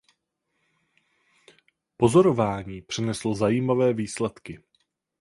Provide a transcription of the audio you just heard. Pozorování přineslo zajímavé výsledky.